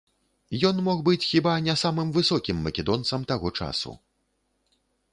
Ён мог быць хіба не самым высокім македонцам таго часу.